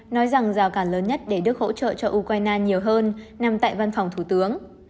nói rằng rào cản lớn nhất để đức hỗ trợ cho ukraine nhiều hơn nằm tại văn phòng thủ tướng